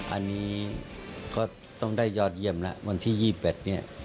อันนี้ก็ต้องได้ยอดเยี่ยมแล้ววันที่๒๘เนี่ย